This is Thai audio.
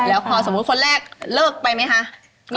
แล้วพอสมมุติคนแรกเลิกไปไหมคะ